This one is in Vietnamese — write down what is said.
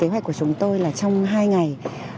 kế hoạch của chúng tôi là trong hai ngày